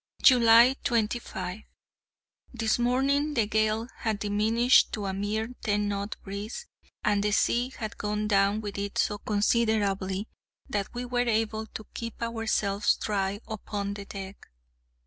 July 25. This morning the gale had diminished to a mere ten knot breeze, and the sea had gone down with it so considerably that we were able to keep ourselves dry upon the deck.